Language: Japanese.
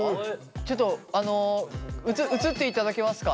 ちょっと映っていただけますか？